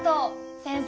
先生